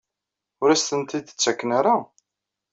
Ur asen-tent-id-ttaken ara?